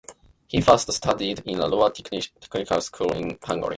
He first studied in a lower technicians' school in Hungary.